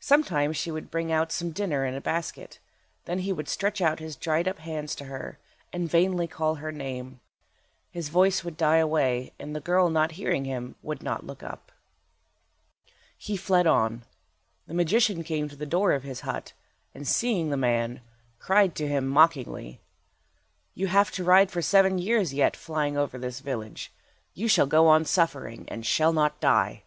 Sometimes she would bring out some dinner in a basket. Then he would stretch out his dried up hands to her, and vainly call her name. His voice would die away, and the girl not hearing him would not look up. He fled on. The magician came to the door of his hut, and seeing the man, cried to him, mockingly— "You have to ride for seven years yet, flying over this village. You shall go on suffering, and shall not die."